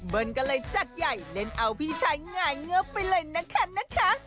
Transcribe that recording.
เบิ้ลก็เลยจัดใหญ่เล่นเอาพี่ชายไหง่เงียบไปเลยนะคะ